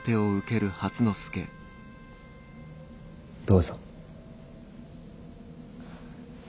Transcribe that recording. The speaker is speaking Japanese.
どうぞ。